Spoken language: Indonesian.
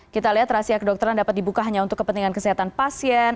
kita lihat rahasia kedokteran dapat dibuka hanya untuk kepentingan kesehatan pasien